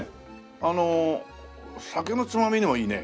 あの酒のつまみにもいいね。